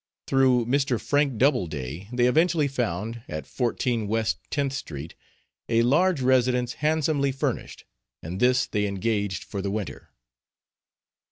Through Mr. Frank Doubleday they eventually found, at 14 West Tenth Street, a large residence handsomely furnished, and this they engaged for the winter.